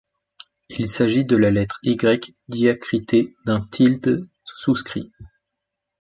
Il s'agit de la lettre Y diacritée d'un tilde souscrit.